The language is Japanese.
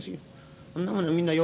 そんなものみんなよ